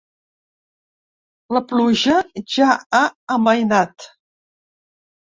La pluja ja ha amainat.